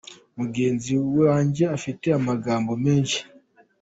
Mugenzi wanjye afite amagambo menshi.